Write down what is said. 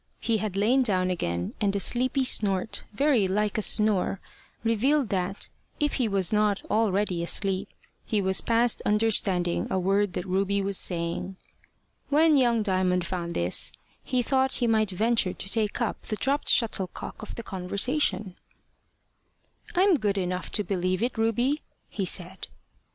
He had lain down again, and a sleepy snort, very like a snore, revealed that, if he was not already asleep, he was past understanding a word that Ruby was saying. When young Diamond found this, he thought he might venture to take up the dropt shuttlecock of the conversation. "I'm good enough to believe it, Ruby," he said.